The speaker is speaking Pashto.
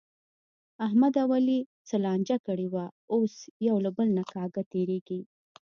احمد او علي څه لانجه کړې وه، اوس یو له بل نه کاږه تېرېږي.